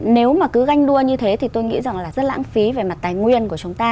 nếu mà cứ ganh đua như thế thì tôi nghĩ rằng là rất lãng phí về mặt tài nguyên của chúng ta